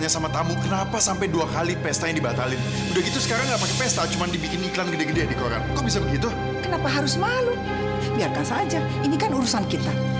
sampai jumpa di video selanjutnya